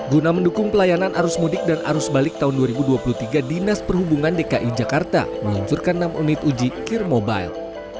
guna mendukung pelayanan arus mudik dan arus balik tahun dua ribu dua puluh tiga dinas perhubungan dki jakarta meluncurkan enam unit uji kir mobile